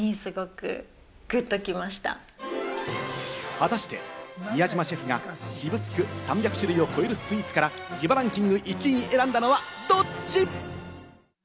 果たして、宮島シェフが渋スク３００種類を超えるスイーツから自腹ンキング１位に選んだのは、どっち？